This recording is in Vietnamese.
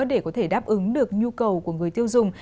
để có thể đáp ứng được nhu cầu của người tiêu dùng